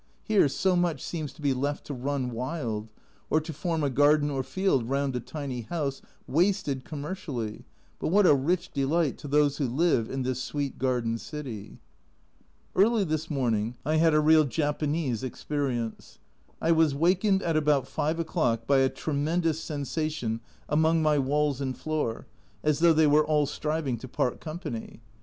Here so much seems to be left to run wild, or to form a garden or field round a tiny house wasted commercially but what a rich delight to those who live in this sweet garden city ! Early this morning I had a real Japanese experience. I was wakened at about 5 o'clock by a tremendous sensation among my walls and floor, as though they were all striving to part company.